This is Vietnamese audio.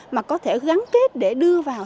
mà có thể gắn kết để đưa vào